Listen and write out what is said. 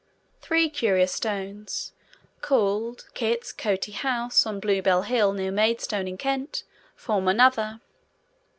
Three curious stones, called Kits Coty House, on Bluebell Hill, near Maidstone, in Kent, form another.